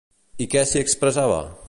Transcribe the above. I què s'hi expressava?